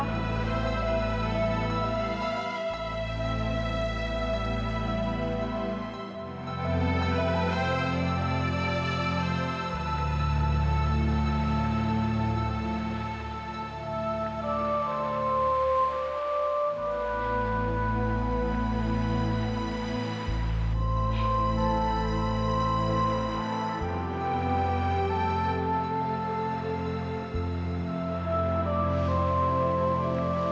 nanti aku kasih tau